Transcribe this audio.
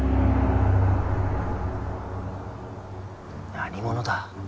何者だ？